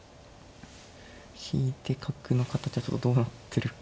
引いて角の形はちょっとどうなってるか。